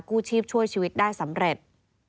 กู้ชีพช่วยชีวิตได้สำเร็จ